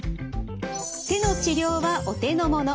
手の治療はお手のもの。